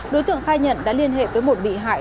đối tượng khai nhận đã liên hệ với một bị hại